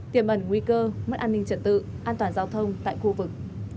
tiềm ẩn nguy cơ mất an ninh trật tự an toàn giao thông tại khu vực